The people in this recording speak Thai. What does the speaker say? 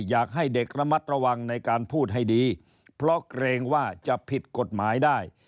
อยากให้เด็กระมัดระวังในการพูดให้ดีเพราะเกรงว่าจะผิดกฎหมายได้